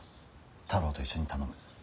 太郎と一緒に頼む。